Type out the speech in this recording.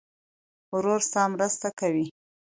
ورور ستا مرسته کوي.